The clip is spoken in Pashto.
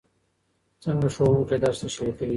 څنګه ښوونکی درس تشریح کوي؟